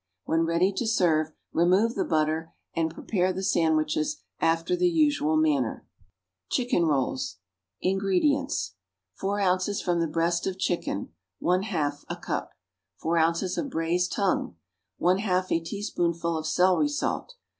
When ready to serve, remove the butter and prepare the sandwiches after the usual manner. =Chicken Rolls.= INGREDIENTS. 4 ounces from the breast of chicken (1/2 a cup). 4 ounces of braised tongue. 1/2 a teaspoonful of celery salt.